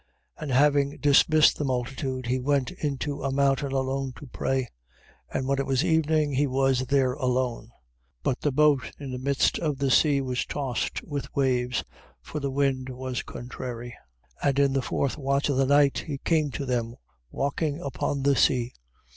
14:23. And having dismissed the multitude, he went into a mountain alone to pray. And when it was evening, he was there alone. 14:24. But the boat in the midst of the sea was tossed with the waves: for the wind was contrary. 14:25. And in the fourth watch of the night, he came to them walking upon the sea.